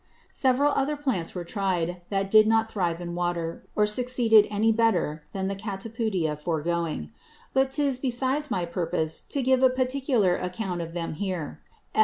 Several other Plants were try'd, that did not thrive in Water, or succeed any better than the Cataputia foregoing: _But 'tis besides my purpose to give a particular Account of them here.